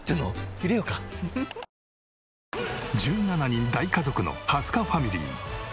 １７人大家族の蓮香ファミリー。